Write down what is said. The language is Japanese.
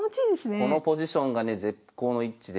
このポジションがね絶好の位置で。